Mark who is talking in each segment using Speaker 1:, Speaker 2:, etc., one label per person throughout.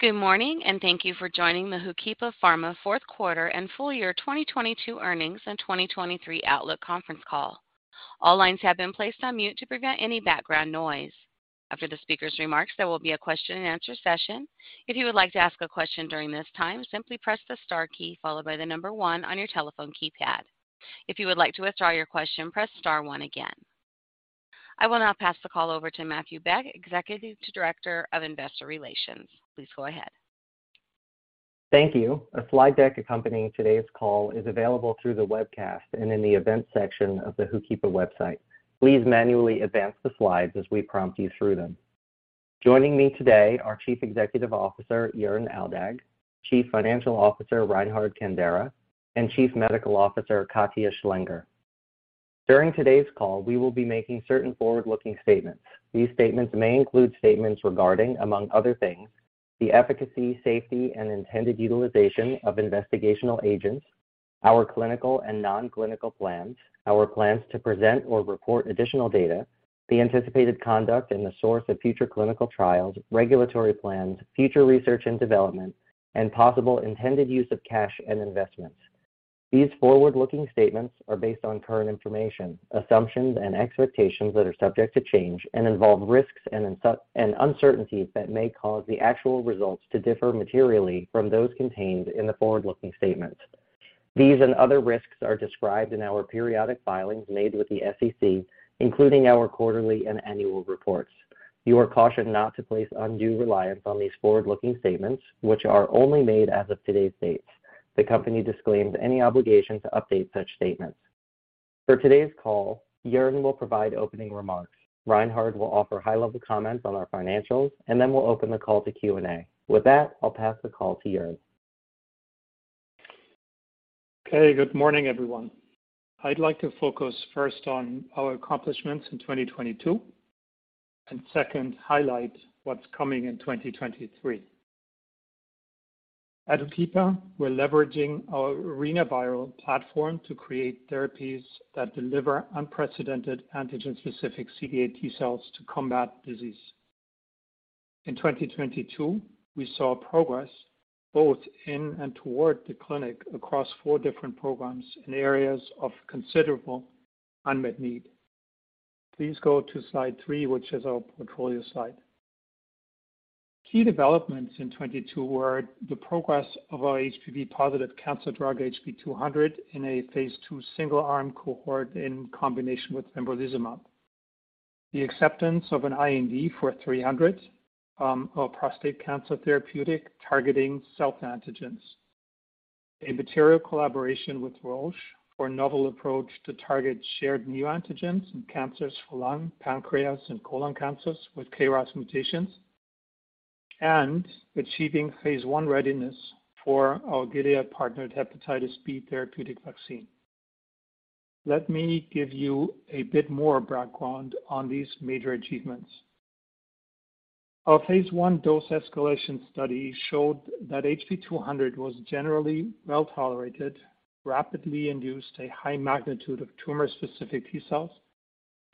Speaker 1: Good morning, thank you for joining the Hookipa Pharma fourth quarter and full year 2022 earnings and 2023 outlook conference call. All lines have been placed on mute to prevent any background noise. After the speaker's remarks, there will be a question-and-answer session. If you would like to ask a question during this time, simply press the star key followed by the number one on your telephone keypad. If you would like to withdraw your question, press star one again. I will now pass the call over to Matthew Beck, Executive Director of Investor Relations. Please go ahead.
Speaker 2: Thank you. A slide deck accompanying today's call is available through the webcast and in the event section of the Hookipa website. Please manually advance the slides as we prompt you through them. Joining me today are Chief Executive Officer, Jörn Aldag, Chief Financial Officer, Reinhard Kandera, and Chief Medical Officer, Katia Schlienger. During today's call, we will be making certain forward-looking statements. These statements may include statements regarding, among other things, the efficacy, safety, and intended utilization of investigational agents, our clinical and non-clinical plans, our plans to present or report additional data, the anticipated conduct and the source of future clinical trials, regulatory plans, future research and development, and possible intended use of cash and investments. These forward-looking statements are based on current information, assumptions, and expectations that are subject to change and involve risks and uncertainties that may cause the actual results to differ materially from those contained in the forward-looking statements. These and other risks are described in our periodic filings made with the SEC, including our quarterly and annual reports. You are cautioned not to place undue reliance on these forward-looking statements which are only made as of today's date. The company disclaims any obligation to update such statements. For today's call, Jörn will provide opening remarks. Reinhard will offer high-level comments on our financials, and then we'll open the call to Q&A. With that, I'll pass the call to Jörn.
Speaker 3: Okay, good morning, everyone. I'd like to focus first on our accomplishments in 2022, and second, highlight what's coming in 2023. At Hookipa, we're leveraging our Arenavirus platform to create therapies that deliver unprecedented antigen-specific CD8+ T cells to combat disease. In 2022, we saw progress both in and toward the clinic across four different programs in areas of considerable unmet need. Please go to slide three, which is our portfolio slide. Key developments in 2022 were the progress of our HPV-positive cancer drug HB-200 in a phase II single-arm cohort in combination with pembrolizumab. The acceptance of an IND for HB-300, a prostate cancer therapeutic targeting self-antigens. A material collaboration with Roche for a novel approach to target shared neoantigens in cancers for lung, pancreas, and colon cancers with KRAS mutations, and achieving phase I readiness for our Gilead partnered hepatitis B therapeutic vaccine. Let me give you a bit more background on these major achievements. Our phase I dose escalation study showed that HB-200 was generally well-tolerated, rapidly induced a high magnitude of tumor-specific T cells,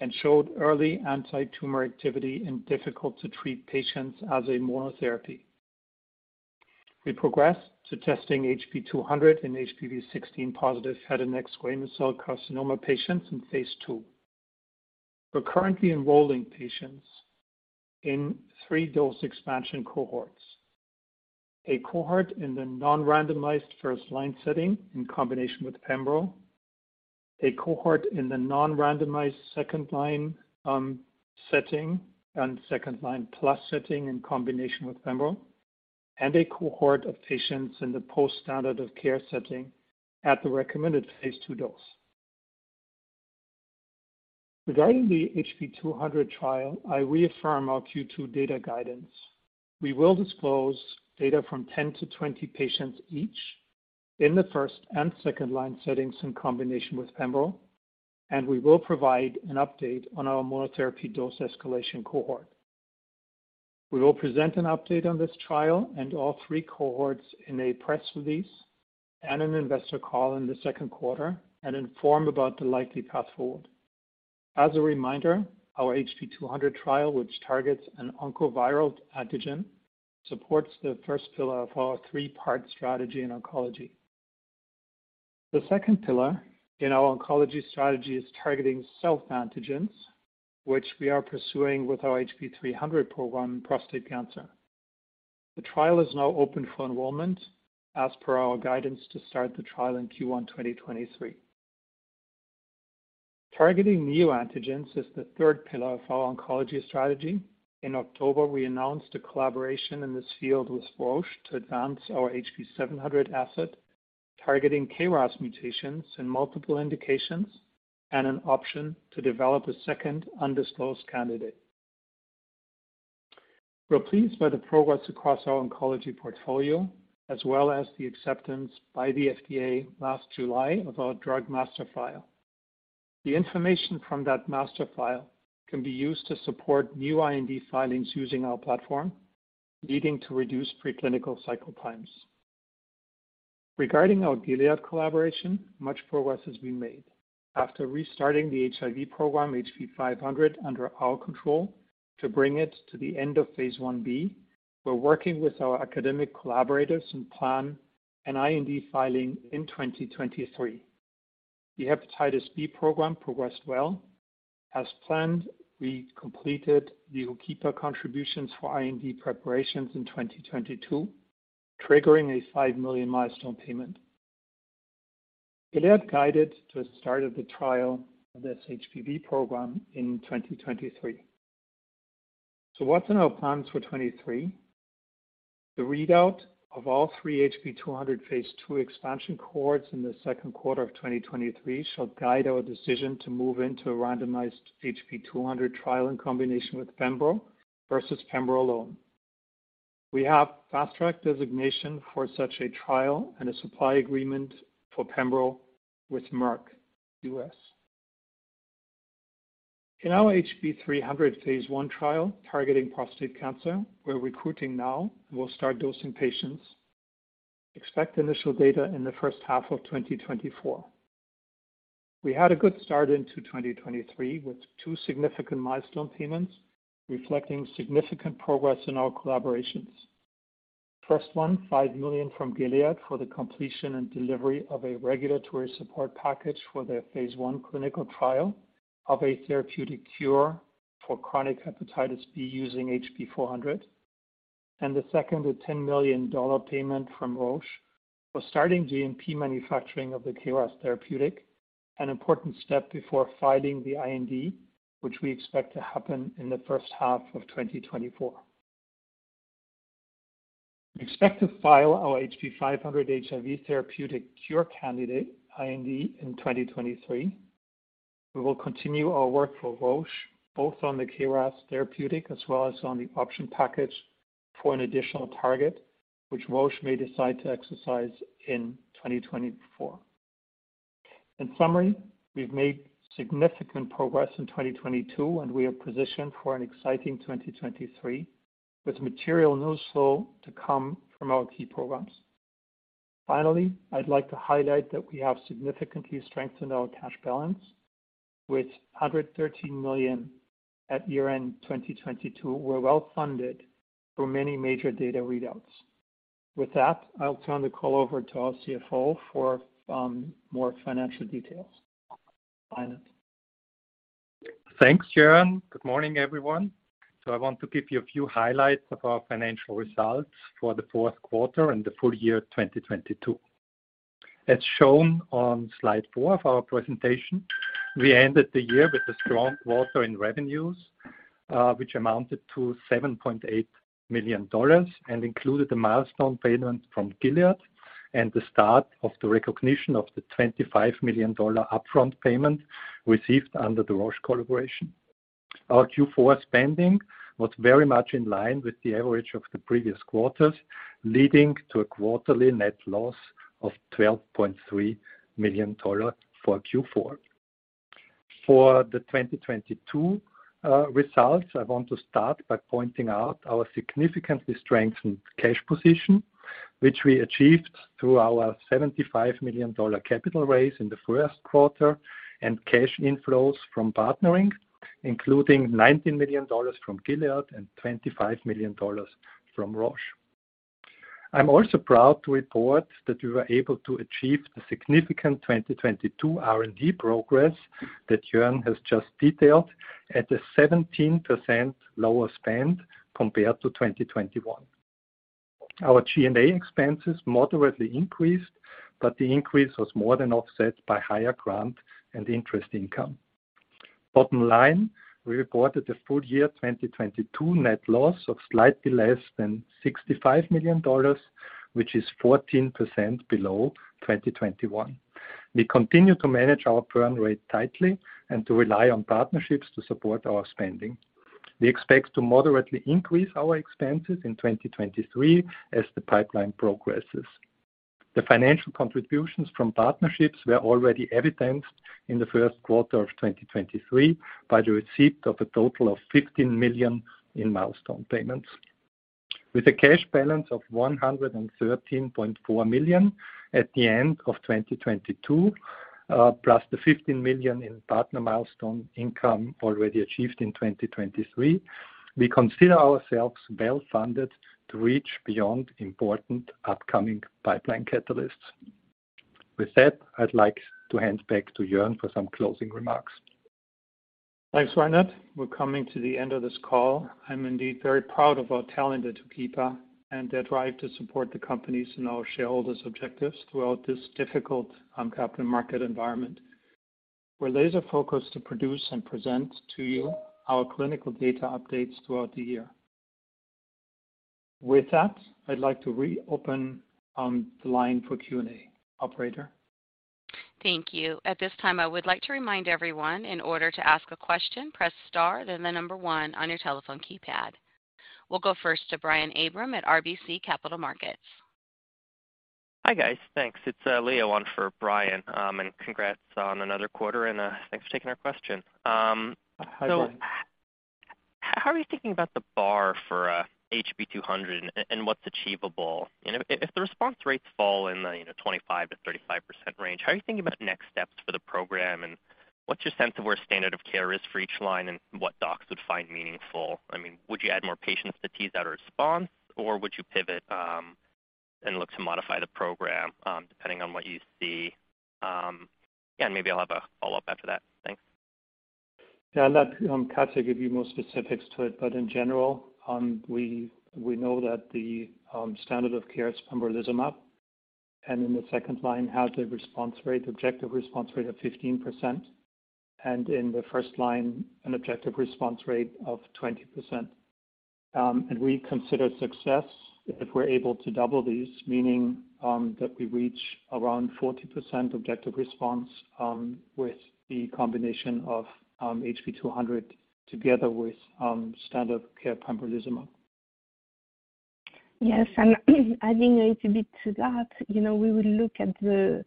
Speaker 3: and showed early anti-tumor activity in difficult to treat patients as a monotherapy. We progressed to testing HB-200 in HPV-16+ head and neck squamous cell carcinoma patients in phase II. We're currently enrolling patients in three dose expansion cohorts. A cohort in the non-randomized first line setting in combination with pembro, a cohort in the non-randomized second line setting and second line plus setting in combination with pembro, and a cohort of patients in the post standard of care setting at the recommended phase two dose. Regarding the HB-200 trial, I reaffirm our Q2 data guidance. We will disclose data from 10-20 patients each in the first and second line settings in combination with pembro, and we will provide an update on our monotherapy dose escalation cohort. We will present an update on this trial and all three cohorts in a press release and an investor call in the second quarter and inform about the likely path forward. As a reminder, our HB-200 trial, which targets an oncoviral antigen, supports the first pillar of our three-part strategy in oncology. The second pillar in our oncology strategy is targeting self-antigens, which we are pursuing with our HB-300 program in prostate cancer. The trial is now open for enrollment as per our guidance to start the trial in Q1 2023. Targeting neoantigens is the third pillar of our oncology strategy. In October, we announced a collaboration in this field with Roche to advance our HB-700 asset, targeting KRAS mutations in multiple indications and an option to develop a second undisclosed candidate. We're pleased by the progress across our oncology portfolio, as well as the acceptance by the FDA last July of our Drug Master File. The information from that master file can be used to support new IND filings using our platform, leading to reduced preclinical cycle times. Regarding our Gilead collaboration, much progress has been made. After restarting the HIV program, HB-500, under our control to bring it to the end of phase I-B, we're working with our academic collaborators and plan an IND filing in 2023. The hepatitis B program progressed well. As planned, we completed the key preclinical contributions for IND preparations in 2022, triggering a $5 million milestone payment. Gilead guided to the start of the trial of this HBV program in 2023. What's in our plans for 2023? The readout of all three HB-200 phase II expansion cohorts in the second quarter of 2023 shall guide our decision to move into a randomized HB-200 trial in combination with pembro versus pembro alone. We have Fast Track designation for such a trial and a supply agreement for pembro with Merck U.S. In our HB-300 phase I trial targeting prostate cancer, we're recruiting now and we'll start dosing patients. Expect initial data in the first half of 2024. We had a good start into 2023, with two significant milestone payments reflecting significant progress in our collaborations. First one, $5 million from Gilead for the completion and delivery of a regulatory support package for their phase I clinical trial of a therapeutic cure for chronic hepatitis B using HB-400. The second, a $10 million payment from Roche for starting GMP manufacturing of the KRAS therapeutic, an important step before filing the IND, which we expect to happen in the first half of 2024. We expect to file our HB-500 HIV therapeutic cure candidate, IND, in 2023. We will continue our work for Roche, both on the KRAS therapeutic as well as on the option package for an additional target which Roche may decide to exercise in 2024. In summary, we've made significant progress in 2022, and we are positioned for an exciting 2023 with material news flow to come from our key programs. Finally, I'd like to highlight that we have significantly strengthened our cash balance. With $113 million at year-end 2022, we're well funded for many major data readouts. With that, I'll turn the call over to our CFO for more financial details. Reinhard.
Speaker 4: Thanks, Jörn. Good morning, everyone. I want to give you a few highlights of our financial results for the fourth quarter and the full year 2022. As shown on slide four of our presentation, we ended the year with a strong quarter in revenues, which amounted to $7.8 million and included a milestone payment from Gilead and the start of the recognition of the $25 million upfront payment received under the Roche collaboration. Our Q4 spending was very much in line with the average of the previous quarters, leading to a quarterly net loss of $12.3 million for Q4. For the 2022 results, I want to start by pointing out our significantly strengthened cash position, which we achieved through our $75 million capital raise in the first quarter and cash inflows from partnering, including $19 million from Gilead and $25 million from Roche. I'm also proud to report that we were able to achieve the significant 2022 R&D progress that Jörn has just detailed at a 17% lower spend compared to 2021. Our G&A expenses moderately increased, but the increase was more than offset by higher grant and interest income. Bottom line, we reported a full year 2022 net loss of slightly less than $65 million, which is 14% below 2021. We continue to manage our burn rate tightly and to rely on partnerships to support our spending. We expect to moderately increase our expenses in 2023 as the pipeline progresses. The financial contributions from partnerships were already evidenced in the first quarter of 2023 by the receipt of a total of $15 million in milestone payments. With a cash balance of $113.4 million at the end of 2022, plus the $15 million in partner milestone income already achieved in 2023, we consider ourselves well funded to reach beyond important upcoming pipeline catalysts. With that, I'd like to hand back to Jörn for some closing remarks.
Speaker 3: Thanks, Reinhard. We're coming to the end of this call. I'm indeed very proud of our talent at Hookipa and their drive to support the company's and our shareholders' objectives throughout this difficult capital market environment. We're laser-focused to produce and present to you our clinical data updates throughout the year. With that, I'd like to reopen the line for Q&A. Operator?
Speaker 1: Thank you. At this time, I would like to remind everyone in order to ask a question, press star, then the number one on your telephone keypad. We'll go first to Brian Abrahams at RBC Capital Markets.
Speaker 5: Hi, guys. Thanks. It's Leo on for Brian. Congrats on another quarter and thanks for taking our question.
Speaker 3: Hi, Brian.
Speaker 5: How are you thinking about the bar for HB-200 and what's achievable? If the response rates fall in the, you know, 25%-35% range, how are you thinking about next steps for the program, and what's your sense of where standard of care is for each line and what docs would find meaningful? I mean, would you add more patients to tease out a response or would you pivot and look to modify the program depending on what you see? Yeah, maybe I'll have a follow-up after that. Thanks.
Speaker 3: Yeah. I'll let Katia give you more specifics to it, but in general, we know that the standard of care is pembrolizumab. In the second line had a response rate, objective response rate of 15%, and in the first line an objective response rate of 20%. We consider success if we're able to double these, meaning that we reach around 40% objective response with the combination of HB-200 together with standard of care pembrolizumab.
Speaker 6: Yes. Adding a little bit to that, you know, we will look at the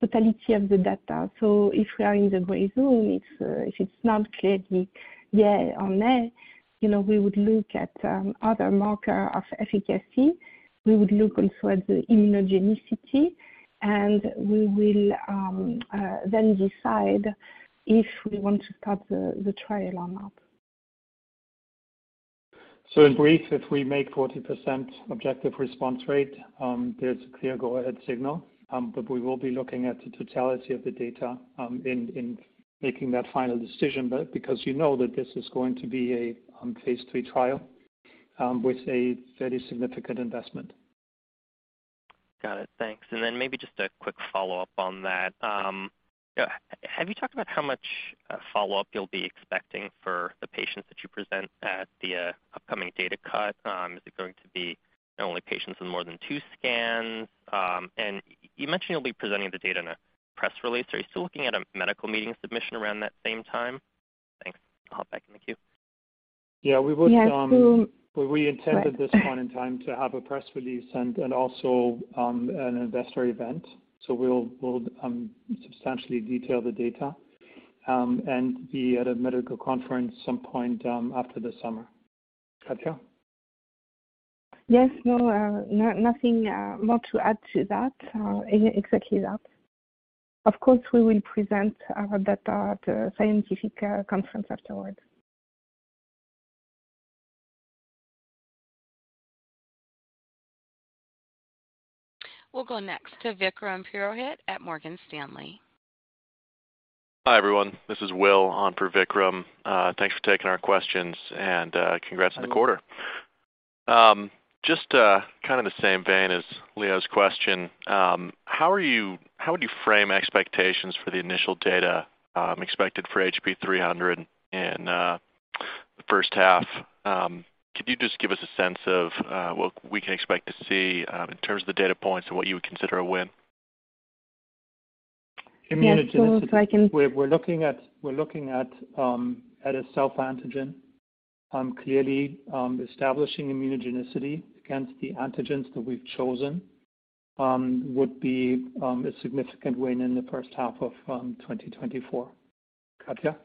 Speaker 6: totality of the data. If we are in the gray zone, if it's not clearly yes or no, you know, we would look at other marker of efficacy. We would look also at the immunogenicity. We will then decide if we want to start the trial or not.
Speaker 3: In brief, if we make 40% objective response rate, there's a clear go-ahead signal, but we will be looking at the totality of the data in making that final decision, but because you know that this is going to be a phase III trial with a very significant investment.
Speaker 5: Got it. Thanks. Then maybe just a quick follow-up on that. Have you talked about how much follow-up you'll be expecting for the patients that you present at the upcoming data cut? Is it going to be only patients in more than two scans? You mentioned you'll be presenting the data in a press release. Are you still looking at a medical meeting submission around that same time? Thanks. I'll hop back in the queue.
Speaker 3: Yeah.
Speaker 6: Yes.
Speaker 3: We intended at this point in time to have a press release and also, an investor event. We'll substantially detail the data, and be at a medical conference some point, after the summer. Katia?
Speaker 6: Yes. No, nothing more to add to that. Exactly that. Of course, we will present our data at a scientific conference afterwards.
Speaker 1: We'll go next to Vikram Purohit at Morgan Stanley.
Speaker 7: Hi, everyone. This is Will on for Vikram. Thanks for taking our questions, and congrats on the quarter. Just kind of the same vein as Leo's question. How would you frame expectations for the initial data expected for HB-300 in the first half? Could you just give us a sense of what we can expect to see in terms of the data points and what you would consider a win?
Speaker 3: Immunogenicity.
Speaker 6: Yes.
Speaker 3: We're looking at a self-antigen. Clearly, establishing immunogenicity against the antigens that we've chosen, would be a significant win in the first half of 2024. Katia?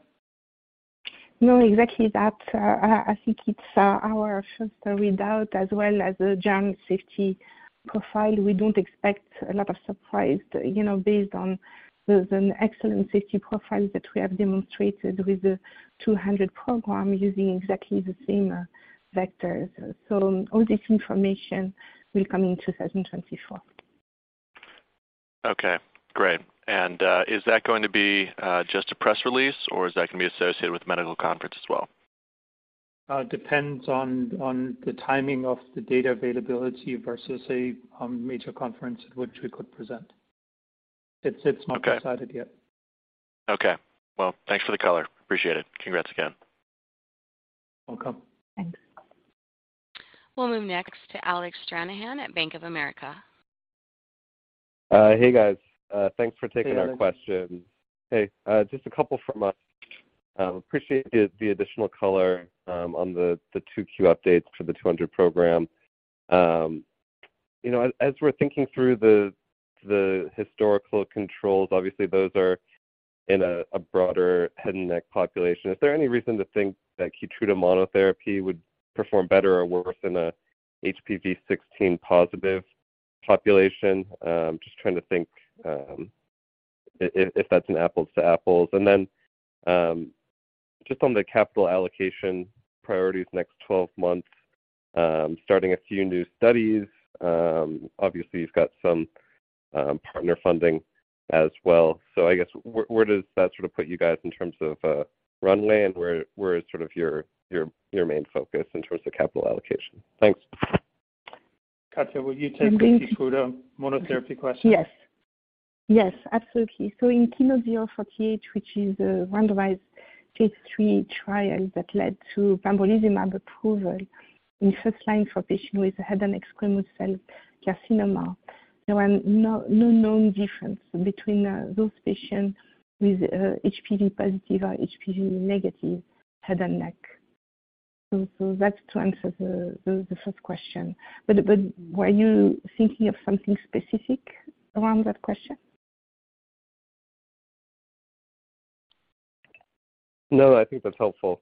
Speaker 6: No, exactly that. I think it's our first readout as well as the germ safety profile. We don't expect a lot of surprise, you know, based on an excellent safety profile that we have demonstrated with the HB-200 program using exactly the same vectors. All this information will come in 2024.
Speaker 7: Okay. Great. Is that going to be just a press release or is that going to be associated with a medical conference as well?
Speaker 3: It depends on the timing of the data availability versus a major conference at which we could present. It's not decided yet.
Speaker 7: Okay. Well, thanks for the color. Appreciate it. Congrats again.
Speaker 3: Welcome.
Speaker 6: Thanks.
Speaker 1: We'll move next to Alec Stranahan at Bank of America.
Speaker 8: Hey, guys. Thanks for taking our question.
Speaker 3: Hey, Alec.
Speaker 8: Hey. Just a couple from us. Appreciate the additional color on the 2Q updates for the HB-200 program. You know, as we're thinking through the historical controls, obviously those are in a broader head and neck population. Is there any reason to think that KEYTRUDA monotherapy would perform better or worse than a HPV-16+ population? Just trying to think if that's an apples to apples. Just on the capital allocation priorities the next 12 months, starting a few new studies, obviously you've got some partner funding as well. I guess where does that sort of put you guys in terms of runway and where is sort of your main focus in terms of capital allocation? Thanks.
Speaker 3: Katia, will you take the KEYTRUDA monotherapy question?
Speaker 6: Yes. Yes. Absolutely. In KEYNOTE-048, which is a randomized phase III trial that led to pembrolizumab approval in first line for patients with head and neck squamous cell carcinoma, there were no known difference between those patients with HPV-positive or HPV-negative head and neck. That's to answer the first question. Were you thinking of something specific around that question?
Speaker 8: No, I think that's helpful.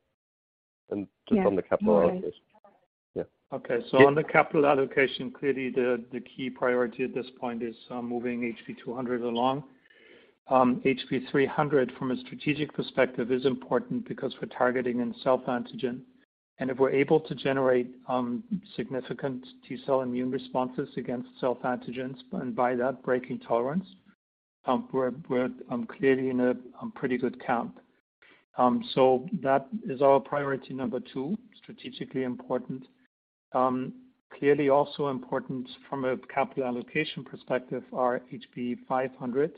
Speaker 6: Yeah.
Speaker 8: Just on the capital allocation.
Speaker 6: All right.
Speaker 8: Yeah.
Speaker 3: On the capital allocation, clearly the key priority at this point is moving HB-200 along. HB-300 from a strategic perspective is important because we're targeting in self-antigen. If we're able to generate significant T cell immune responses against self-antigens and by that breaking tolerance, we're clearly in a pretty good count. That is our priority number two, strategically important. Clearly also important from a capital allocation perspective are HB-500,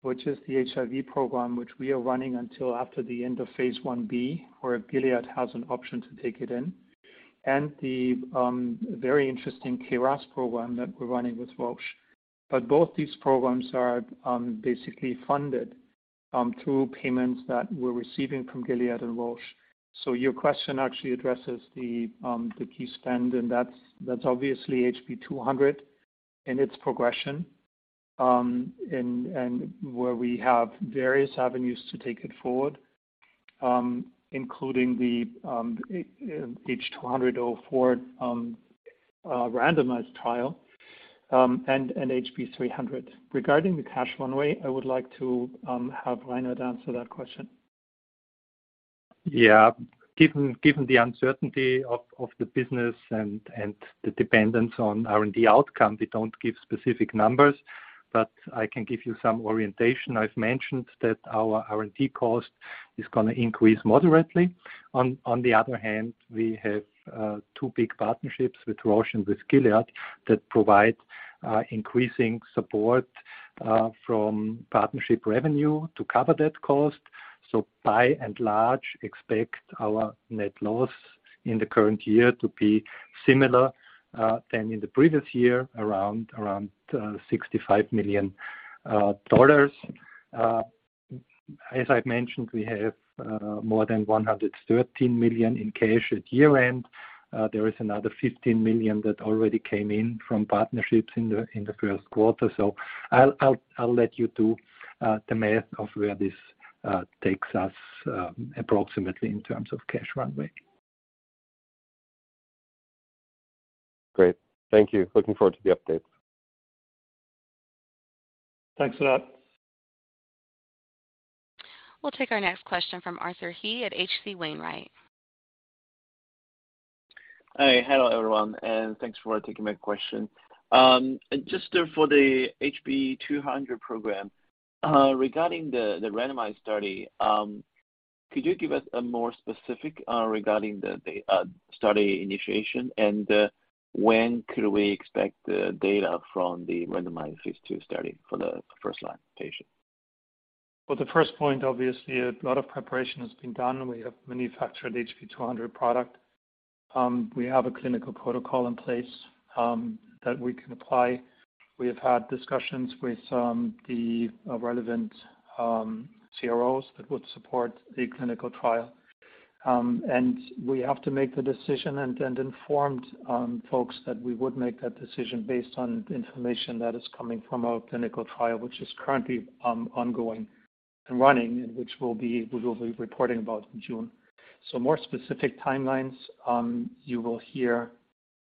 Speaker 3: which is the HIV program which we are running until after the end phase I-B, where Gilead has an option to take it in. The very interesting KRAS program that we're running with Roche. Both these programs are basically funded through payments that we're receiving from Gilead and Roche. Your question actually addresses the key spend, and that's obviously HB-200 and its progression, and where we have various avenues to take it forward, including the HB-200-04 randomized trial, and HB-300. Regarding the cash runway, I would like to have Reinhard answer that question.
Speaker 4: Given the uncertainty of the business and the dependence on R&D outcome, we don't give specific numbers, but I can give you some orientation. I've mentioned that our R&D cost is gonna increase moderately. On the other hand, we have two big partnerships with Roche and with Gilead that provide increasing support from partnership revenue to cover that cost. By and large, expect our net loss in the current year to be similar than in the previous year, around $65 million. As I've mentioned, we have more than $113 million in cash at year-end. There is another $15 million that already came in from partnerships in the first quarter. I'll let you do the math of where this takes us approximately in terms of cash runway.
Speaker 8: Great. Thank you. Looking forward to the update.
Speaker 3: Thanks a lot.
Speaker 1: We'll take our next question from Arthur He at H.C. Wainwright.
Speaker 9: Hi. Hello, everyone, and thanks for taking my question. Just for the HB-200 program, regarding the randomized study, could you give us a more specific regarding the study initiation, and when could we expect the data from the randomized phase II study for the first-line patient?
Speaker 3: For the first point, obviously, a lot of preparation has been done. We have manufactured HB-200 product. We have a clinical protocol in place that we can apply. We have had discussions with the relevant CROs that would support the clinical trial. We have to make the decision and informed folks that we would make that decision based on information that is coming from our clinical trial, which is currently ongoing and running, and which we will be reporting about in June. More specific timelines, you will hear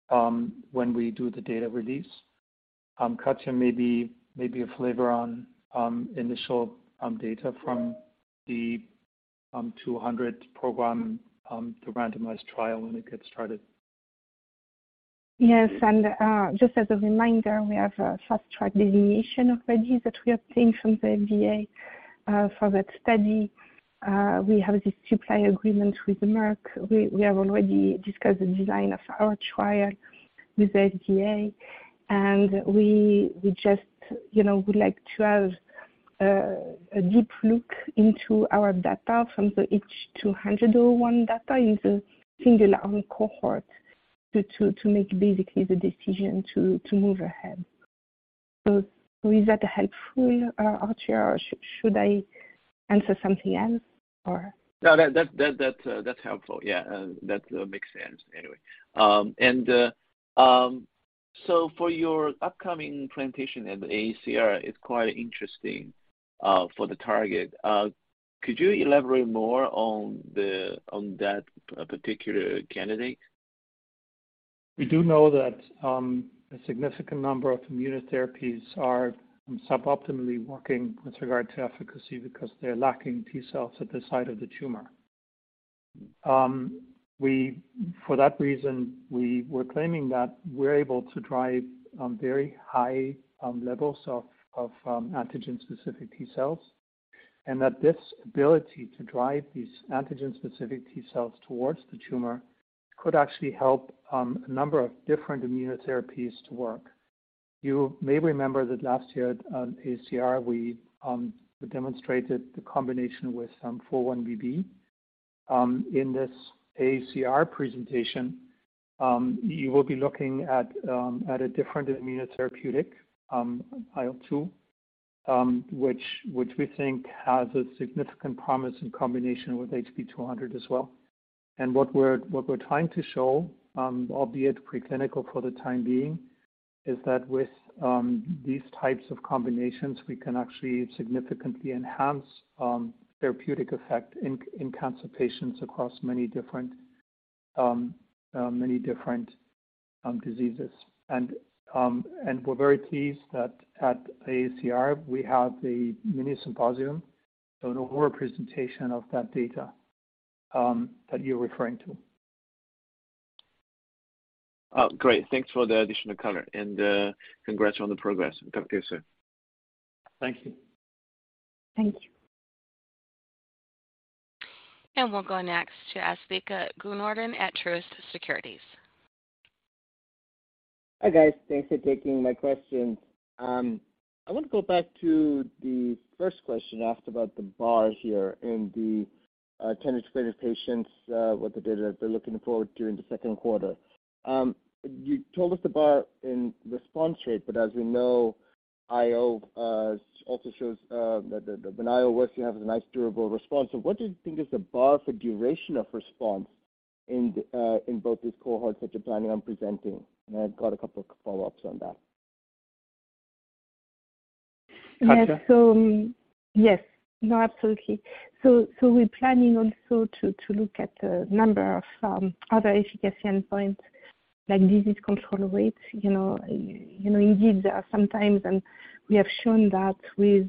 Speaker 3: when we do the data release. Katia, maybe a flavor on initial data from the HB-200 program, the randomized trial when it gets started.
Speaker 6: Yes. Just as a reminder, we have a Fast Track designation already that we obtained from the FDA for that study. We have this supply agreement with Merck. We have already discussed the design of our trial with the FDA, and we just, you know, would like to have a deep look into our data from the H200-01 data in the singular cohort to make basically the decision to move ahead. Is that helpful, Arthur, or should I answer something else, or?
Speaker 9: No, that's helpful. Yeah, that makes sense anyway. For your upcoming presentation at AACR, it's quite interesting for the target. Could you elaborate more on that particular candidate?
Speaker 3: We do know that a significant number of immunotherapies are suboptimally working with regard to efficacy because they're lacking T cells at the site of the tumor. For that reason, we were claiming that we're able to drive very high levels of antigen-specific T cells, and that this ability to drive these antigen-specific T cells towards the tumor could actually help a number of different immunotherapies to work. You may remember that last year at AACR, we demonstrated the combination with 4-1BB. In this AACR presentation, you will be looking at a different immunotherapeutic, IO102, which we think has a significant promise in combination with HB-200 as well. What we're trying to show, albeit preclinical for the time being. Is that with these types of combinations, we can actually significantly enhance therapeutic effect in cancer patients across many different diseases. We're very pleased that at AACR we have the mini symposium, so an overall presentation of that data that you're referring to.
Speaker 9: Oh, great. Thanks for the additional color. Congrats on the progress. Talk to you soon.
Speaker 3: Thank you.
Speaker 6: Thank you.
Speaker 1: We'll go next to Asthika Goonewardene at Truist Securities.
Speaker 10: Hi, guys. Thanks for taking my questions. I want to go back to the first question asked about the bar here in the 10 integrated patients, what they did that they're looking forward to in the second quarter. You told us the bar in response rate, but as we know, IO also shows that the IO works, you have a nice durable response. What do you think is the bar for duration of response in both these cohorts that you're planning on presenting? I've got a couple of follow-ups on that.
Speaker 6: Yes.
Speaker 3: Katia.
Speaker 6: Yes. No, absolutely. We're planning also to look at a number of other efficacy endpoints like disease control rates. You know, indeed there are some times when we have shown that with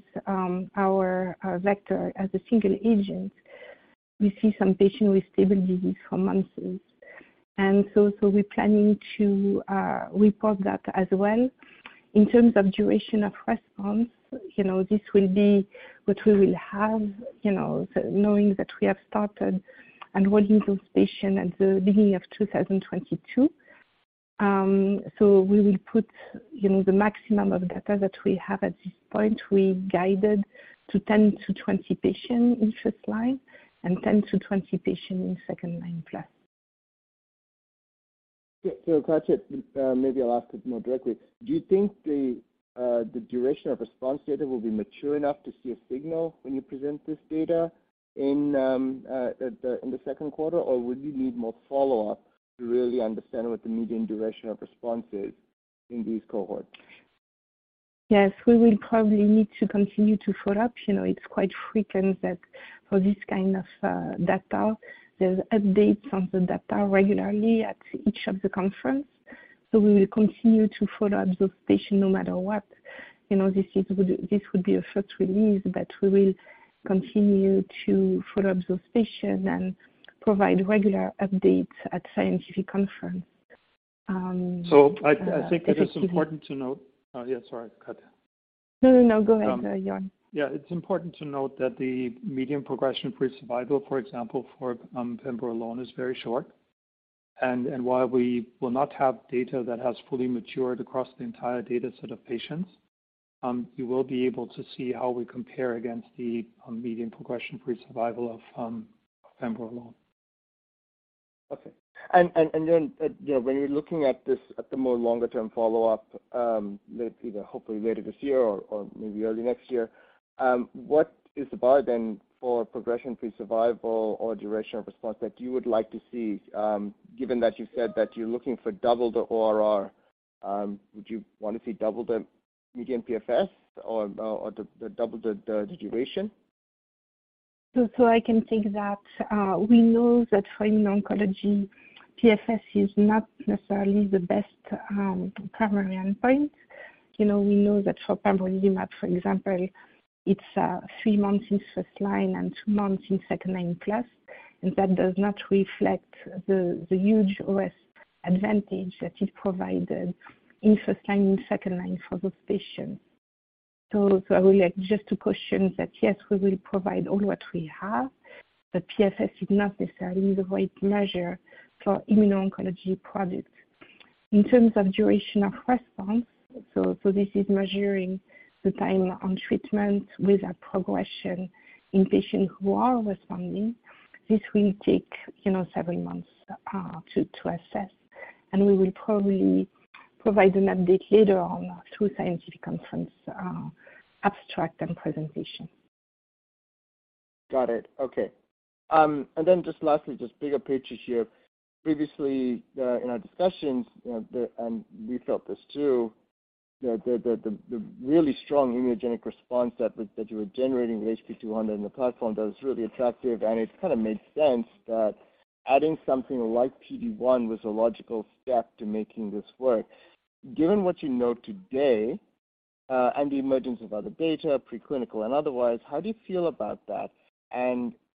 Speaker 6: our vector as a single agent, we see some patients with stable disease for months. We're planning to report that as well. In terms of duration of response, you know, this will be what we will have, you know. Knowing that we have started enrolling those patients at the beginning of 2022. We will put, you know, the maximum of data that we have at this point. We guided to 10-20 patients in first line and 10-20 patients in second line plus.
Speaker 10: Yeah. Katia, maybe I'll ask it more directly. Do you think the duration of response data will be mature enough to see a signal when you present this data in the second quarter? Would you need more follow-up to really understand what the median duration of response is in these cohorts?
Speaker 6: Yes, we will probably need to continue to follow up. You know, it's quite frequent that for this kind of data, there's updates on the data regularly at each of the conference. We will continue to follow up those patients no matter what. You know, this would be a first release, but we will continue to follow up those patients and provide regular updates at scientific conference.
Speaker 3: I think that it's important to note. Yeah, sorry, Katia.
Speaker 6: No, no, go ahead, Jörn.
Speaker 3: Yeah. It's important to note that the median progression-free survival, for example, for pembro alone, is very short. While we will not have data that has fully matured across the entire data set of patients, you will be able to see how we compare against the median progression-free survival of pembro alone.
Speaker 10: Okay. You know, when you're looking at this at the more longer term follow-up, maybe either hopefully later this year or maybe early next year, what is the bar then for progression-free survival or duration of response that you would like to see? Given that you said that you're looking for double the ORR, would you want to see double the median PFS or the double the duration?
Speaker 6: I can take that. We know that for immuno-oncology, PFS is not necessarily the best primary endpoint. You know, we know that for pembrolizumab, for example, it's three months in first line and two months in second line plus, and that does not reflect the huge OS advantage that is provided in first line and second line for those patients. I would like just to caution that yes, we will provide all what we have, but PFS is not necessarily the right measure for immuno-oncology product. In terms of duration of response, so this is measuring the time on treatment without progression in patients who are responding. This will take, you know, several months to assess. We will probably provide an update later on through scientific conference abstract and presentation.
Speaker 10: Got it. Okay. Just lastly, just bigger picture here. Previously, in our discussions, you know, the really strong immunogenic response that you were generating with HB-200 and the platform that was really attractive. It kind of made sense that adding something like PD-1 was a logical step to making this work. Given what you know today, and the emergence of other data, preclinical and otherwise, how do you feel about that?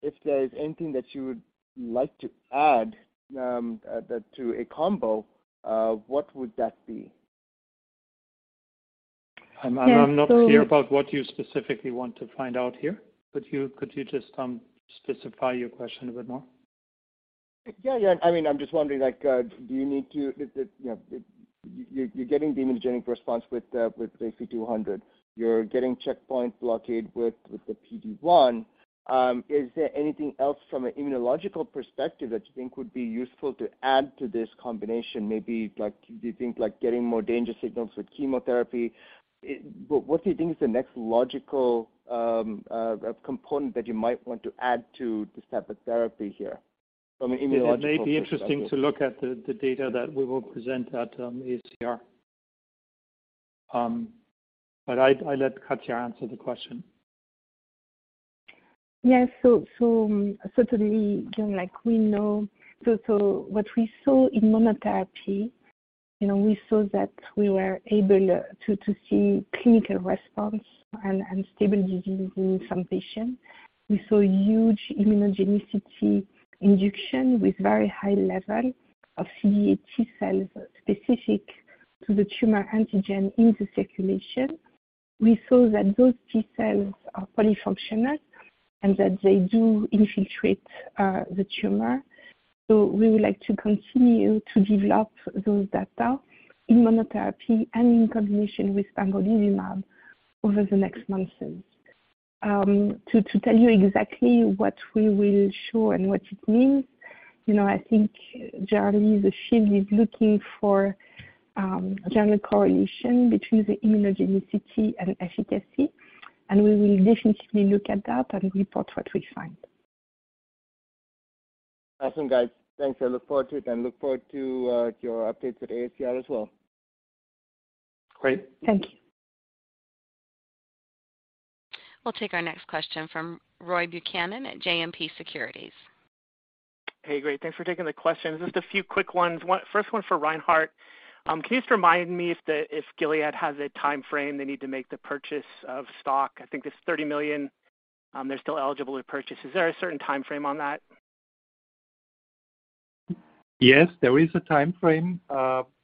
Speaker 10: If there's anything that you would like to add, that to a combo, what would that be?
Speaker 3: I'm not clear about what you specifically want to find out here. Could you just specify your question a bit more?
Speaker 10: Yeah, yeah. I mean, I'm just wondering like, Is it, you know, you're getting the immunogenic response with HB-200. You're getting checkpoint blockade with the PD-1. Is there anything else from an immunological perspective that you think would be useful to add to this combination? Maybe like, do you think like getting more danger signals with chemotherapy? What do you think is the next logical component that you might want to add to this type of therapy here?
Speaker 3: It may be interesting to look at the data that we will present at AACR. I let Katia answer the question.
Speaker 6: Certainly, like, we know. What we saw in monotherapy, you know, we saw that we were able to see clinical response and stable disease in some patients. We saw huge immunogenicity induction with very high level of CD8+ T cells specific to the tumor antigen in the circulation. We saw that those T cells are polyfunctional and that they do infiltrate the tumor. We would like to continue to develop those data in monotherapy and in combination with pembrolizumab over the next months. To tell you exactly what we will show and what it means, you know, I think generally the field is looking for general correlation between the immunogenicity and efficacy, and we will definitely look at that and report what we find.
Speaker 10: Awesome, guys. Thanks. I look forward to it and look forward to your updates at AACR as well.
Speaker 3: Great.
Speaker 6: Thank you.
Speaker 1: We'll take our next question from Roy Buchanan at JMP Securities.
Speaker 11: Hey, great. Thanks for taking the question. Just a few quick ones. First one for Reinhard. Can you just remind me if Gilead has a timeframe they need to make the purchase of stock? I think there's $30 million they're still eligible to purchase. Is there a certain timeframe on that?
Speaker 3: Yes, there is a timeframe.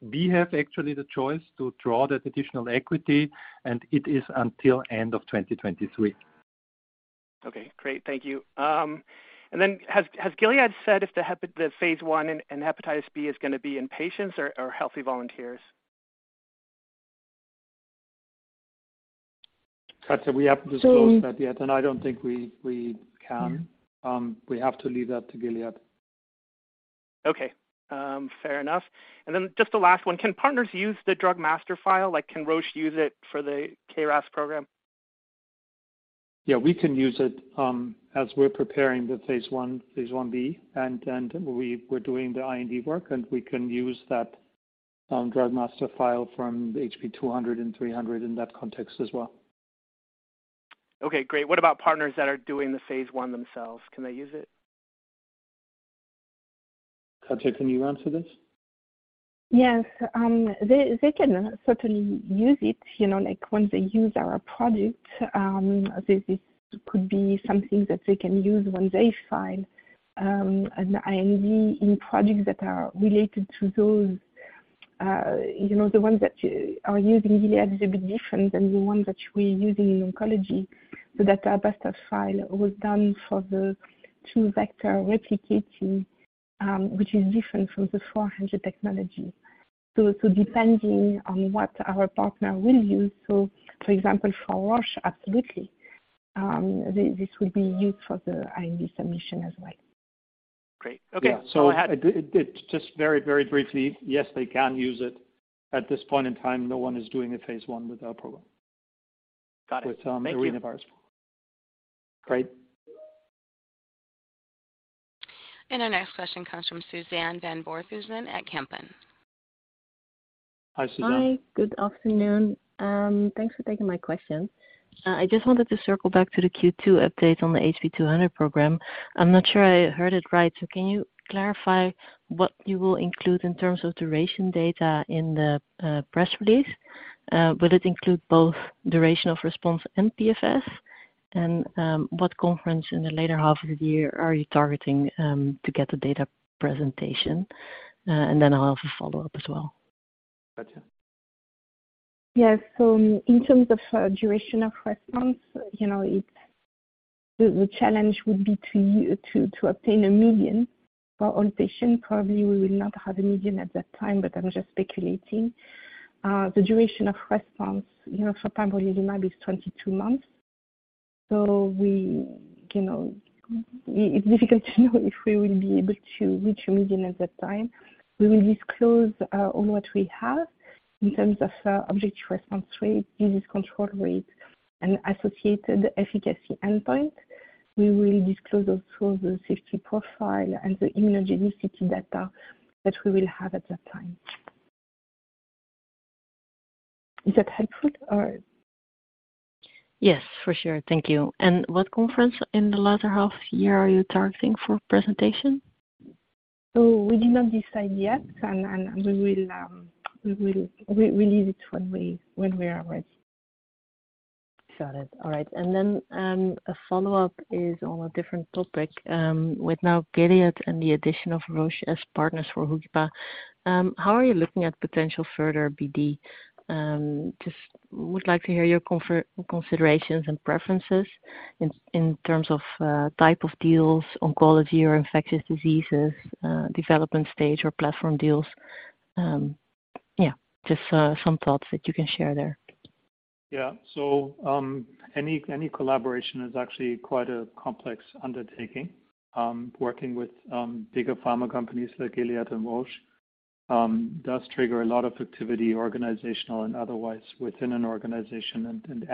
Speaker 3: We have actually the choice to draw that additional equity, and it is until end of 2023.
Speaker 11: Okay, great. Thank you. Has Gilead said if the phase I in hepatitis B is gonna be in patients or healthy volunteers?
Speaker 3: Katia, we haven't disclosed that yet, and I don't think we can. We have to leave that to Gilead.
Speaker 11: Okay. fair enough. Just the last one, can partners use the Drug Master File? Like, can Roche use it for the KRAS program?
Speaker 3: Yeah, we can use it, as we're preparing the phase I, phase I-B, we're doing the IND work, we can use that Drug Master File from HB-200 and HB-300 in that context as well.
Speaker 11: Okay, great. What about partners that are doing the phase one themselves? Can they use it?
Speaker 3: Katia, can you answer this?
Speaker 6: Yes. They can certainly use it, you know, like, when they use our product, this could be something that they can use when they file an IND in products that are related to those, you know, the ones that are using Gilead is a bit different than the one that we're using in oncology. That Drug Master File was done for the two-vector replicating, which is different from the HB-400 technology. Depending on what our partner will use. For example, for Roche, absolutely, this will be used for the IND submission as well.
Speaker 11: Great. Okay.
Speaker 3: Yeah. It's just very, very briefly, yes, they can use it. At this point in time, no one is doing a phase I with our program.
Speaker 11: Got it. Thank you.
Speaker 3: With, arenaviruses. Great.
Speaker 1: Our next question comes from Suzanne van Voorthuizen at Kempen.
Speaker 3: Hi, Suzanne.
Speaker 12: Hi. Good afternoon. Thanks for taking my question. I just wanted to circle back to the Q2 update on the HB-200 program. I'm not sure I heard it right. Can you clarify what you will include in terms of duration data in the press release? Will it include both duration of response and PFS? What conference in the later half of the year are you targeting to get the data presentation? Then I'll have a follow-up as well.
Speaker 3: Katia.
Speaker 6: Yes. In terms of duration of response, you know, The challenge would be to obtain a million for all patients. Probably we will not have a million at that time, but I'm just speculating. The duration of response, you know, for pembrolizumab is 22 months. We, you know, it's difficult to know if we will be able to reach a million at that time. We will disclose on what we have in terms of objective response rate, disease control rate, and associated efficacy endpoint. We will disclose also the safety profile and the immunogenicity data that we will have at that time. Is that helpful or?
Speaker 12: Yes, for sure. Thank you. What conference in the latter half of the year are you targeting for presentation?
Speaker 6: We did not decide yet and we will, we will re-release it when we are ready.
Speaker 12: Got it. All right. Then, a follow-up is on a different topic. With now Gilead and the addition of Roche as partners for Hookipa, how are you looking at potential further BD? Just would like to hear your considerations and preferences in terms of type of deals, oncology or infectious diseases, development stage or platform deals. Yeah, just some thoughts that you can share there.
Speaker 3: Yeah. Any, any collaboration is actually quite a complex undertaking. Working with bigger pharma companies like Gilead and Roche, does trigger a lot of activity, organizational and otherwise, within an organization. And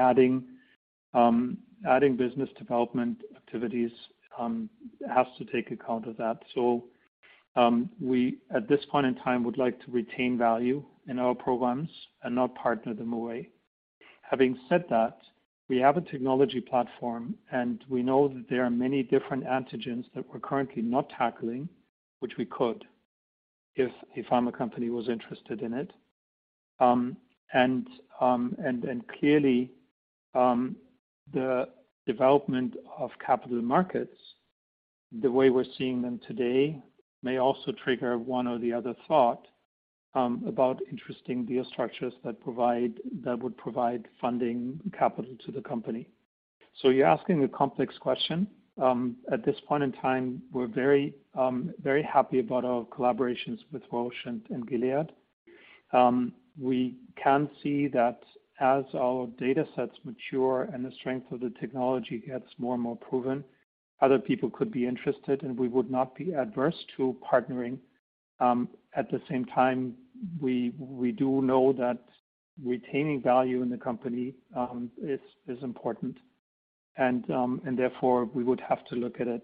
Speaker 3: adding business development activities has to take account of that. We, at this point in time, would like to retain value in our programs and not partner them away. Having said that, we have a technology platform, and we know that there are many different antigens that we're currently not tackling, which we could if a pharma company was interested in it. And clearly, the development of capital markets, the way we're seeing them today, may also trigger one or the other thought about interesting deal structures that would provide funding capital to the company. You're asking a complex question. At this point in time, we're very, very happy about our collaborations with Roche and Gilead. We can see that as our data sets mature and the strength of the technology gets more and more proven, other people could be interested, and we would not be adverse to partnering. At the same time, we do know that retaining value in the company, is important. Therefore, we would have to look at it,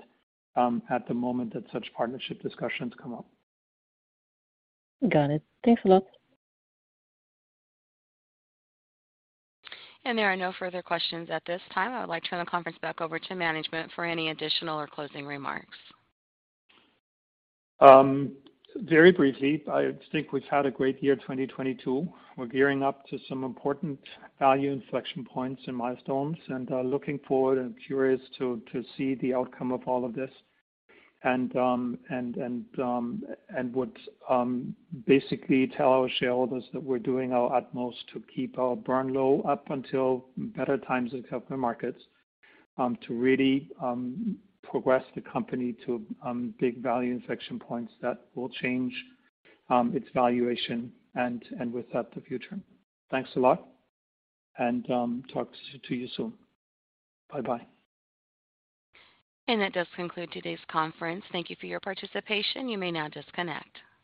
Speaker 3: at the moment that such partnership discussions come up.
Speaker 12: Got it. Thanks a lot.
Speaker 1: There are no further questions at this time. I would like to turn the conference back over to management for any additional or closing remarks.
Speaker 3: Very briefly, I think we've had a great year, 2022. We're gearing up to some important value inflection points and milestones, looking forward and curious to see the outcome of all of this. Would basically tell our shareholders that we're doing our utmost to keep our burn low up until better times in capital markets, to really progress the company to big value inflection points that will change its valuation and with that, the future. Thanks a lot, talk to you soon. Bye-bye.
Speaker 1: That does conclude today's conference. Thank you for your participation. You may now disconnect.